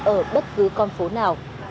ở bất cứ con phố nào